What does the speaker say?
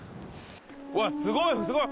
うわっすごいすごい！